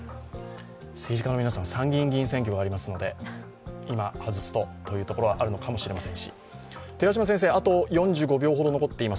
政治化の皆さん、参議院議員選挙がありますので、今外すとというのがあるのかもしれません。